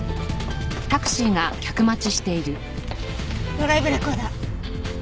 ドライブレコーダー。